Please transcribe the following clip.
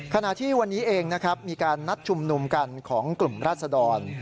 ขณะที่วันนี้เองนะครับมีการนัดชุมนุมกันของกลุ่มราศดร